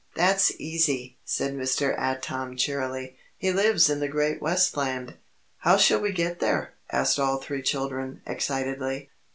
"That's easy," said Mr. Atom cheerily. "He lives in the Great West Land." "How shall we get there?" asked all three children, excitedly.